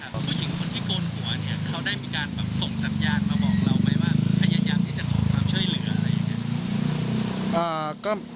ผู้หญิงคนที่โกนหัวเนี่ยเขาได้มีการแบบส่งสัญญาณมาบอกเราไหมว่าพยายามที่จะขอความช่วยเหลืออะไรอย่างนี้